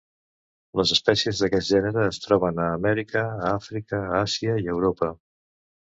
Les espècies d'aquest gènere es troben a Amèrica, a Àfrica, a Àsia i a Europa.